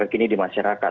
terkini di masyarakat